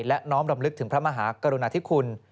และน้อมรำลึกถึงพระมหากรุณาธิคุณ